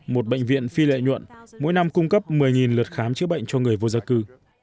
một bệnh viện phi lợi nhuận mỗi năm cung cấp một mươi lượt khám chữa bệnh cho người vô gia cư